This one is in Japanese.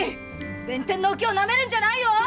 弁天のお京をなめるんじゃないよ‼